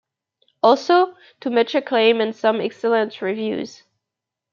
Also to much acclaim and some excellent reviews.